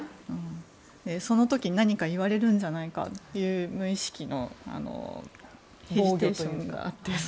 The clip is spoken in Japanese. その時何か言われるんじゃないかという無意識のヘジテーションがあって。